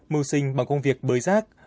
mưu sinh bằng công việc bới rác